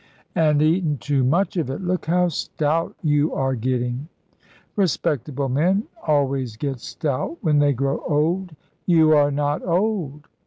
"And eating too much of it. Look how stout yon are getting." "Respectable men always get stout when they grow old." "You are not old."